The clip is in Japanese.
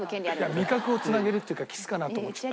「味覚をつなげる」って言うからキスかなと思っちゃった。